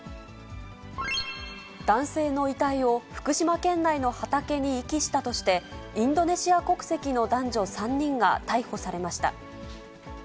男性の遺体を福島県内の畑に遺棄したとして、インドネシア国籍の男女３人が逮捕されました。